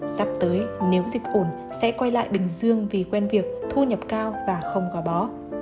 sắp tới nếu dịch ổn sẽ quay lại bình dương vì quen việc thu nhập cao và không gò bó